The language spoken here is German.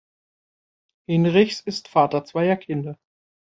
Hinrichs ist Vater zweier Kinder.